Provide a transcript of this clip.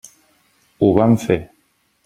Ho vam fer.